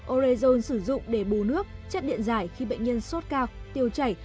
orezone sử dụng để bù nước chất điện dài khi bệnh nhân sốt cao tiêu chảy